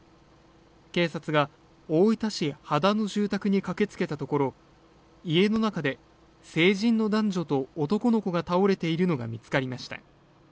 警察が大分市羽田の住宅に駆けつけたところ家の中で成人の男女と男の子が倒れているのが見つかりました